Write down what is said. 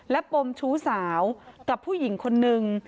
และปมชู้สาวกับผู้หญิงคนนึง